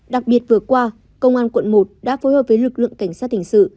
đặc biệt vừa qua công an quận một đã phối hợp với lực lượng cảnh sát hình sự